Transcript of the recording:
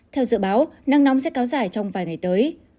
theo dự báo nắng nóng sẽ kéo dài trong vài ngày tới